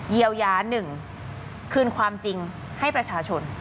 เยียวยา๑คืนความจริงให้ประชาชน